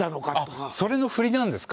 あっそれの振りなんですか？